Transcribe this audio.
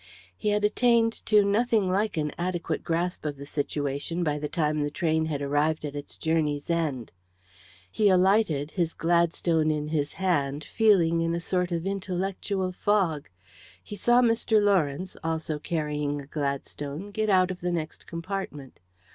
He had attained to nothing like an adequate grasp of the situation by the time the train had arrived at its journey's end. He alighted, his Gladstone in his hand, feeling in a sort of intellectual fog. He saw Mr. Lawrence also carrying a Gladstone get out of the next compartment.